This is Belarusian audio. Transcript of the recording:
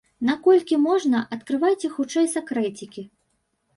Наколькі можна, адкрывайце хутчэй сакрэцікі!!!